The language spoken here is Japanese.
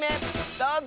どうぞ！